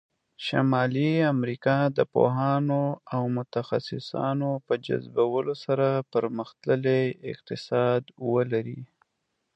شمالي امریکا د پوهانو او متخصصانو په جذبولو سره پرمختللی اقتصاد ولری.